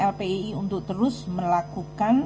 lpi untuk terus melakukan